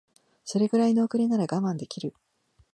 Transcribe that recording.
それぐらいの遅れなら我慢できる